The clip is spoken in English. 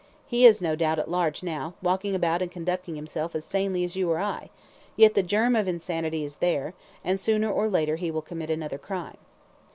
He is, no doubt, at large now, walking about and conducting himself as sanely as you or I, yet the germ of insanity is there, and sooner or later he will commit another crime."